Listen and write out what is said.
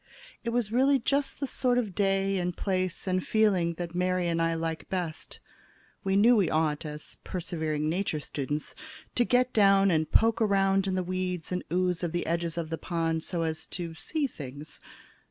It was really just the sort of day and place and feeling that Mary and I like best. We knew we ought, as persevering Nature students, to get down and poke around in the weeds and ooze of the edges of the pond so as to see things.